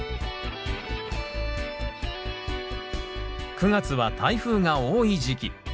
９月は台風が多い時期。